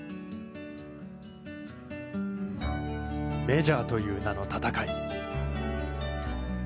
メジャーという名の戦い。